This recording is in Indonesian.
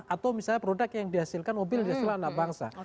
atau misalnya produk yang dihasilkan mobil dihasilan anak bangsa